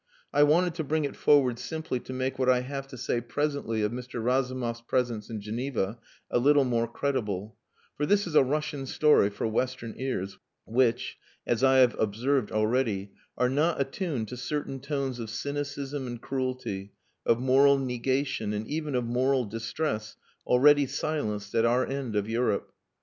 I wanted to bring it forward simply to make what I have to say presently of Mr. Razumov's presence in Geneva, a little more credible for this is a Russian story for Western ears, which, as I have observed already, are not attuned to certain tones of cynicism and cruelty, of moral negation, and even of moral distress already silenced at our end of Europe.